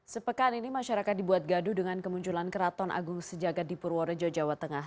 sepekan ini masyarakat dibuat gaduh dengan kemunculan keraton agung sejagat di purworejo jawa tengah